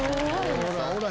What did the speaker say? ほらほら！